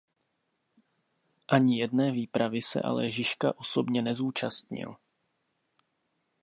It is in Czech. Ani jedné výpravy se ale Žižka osobně neúčastnil.